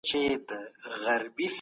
بې له کورنۍ تجربې پوهه نه زیاتول کېږي.